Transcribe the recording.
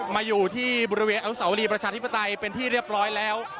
มาอยู่ที่บริเวณอนุสาวรีประชาธิปไตยเป็นที่เรียบร้อยแล้ว